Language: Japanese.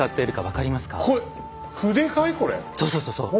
そうそうそうそう。